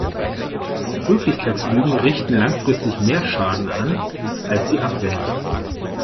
Höflichkeitslügen richten langfristig mehr Schaden an, als sie abwenden.